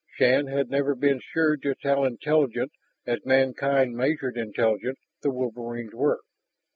Shann had never been sure just how intelligent, as mankind measured intelligence, the wolverines were.